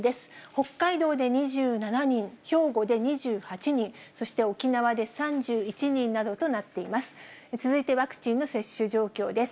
北海道で２７人、兵庫で２８人、そして沖縄で３１人などとなっています。